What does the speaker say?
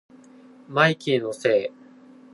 マイキーのせい